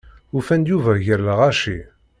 Ufan-d Yuba gar lɣaci.